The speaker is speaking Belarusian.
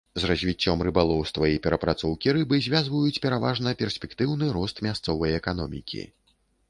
З развіццём рыбалоўства і перапрацоўкі рыбы звязваюць пераважна перспектыўны рост мясцовай эканомікі.